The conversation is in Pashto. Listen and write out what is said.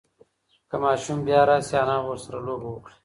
که ماشوم بیا راشي، انا به ورسره لوبه وکړي.